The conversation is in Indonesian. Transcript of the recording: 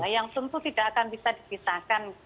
yang tentu tidak akan bisa dipisahkan